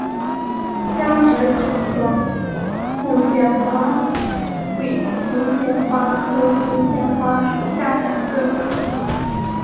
鸭跖草状凤仙花为凤仙花科凤仙花属下的一个种。